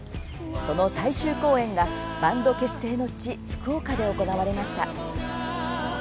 その最終公演が、バンド結成の地福岡で行われました。